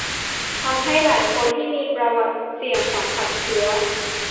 ทำให้หลายคนที่มีประวัติเสี่ยงสัมผัสเชื้อ